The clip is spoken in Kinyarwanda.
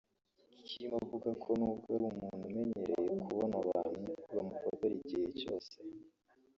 Kim avuga ko nubwo ari umuntu umenyereye kubona abantu bamufotora igihe cyose